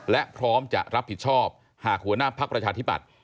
และพร้อมจะรับผิดชอบหากหัวหน้าพักประชาธิบัติ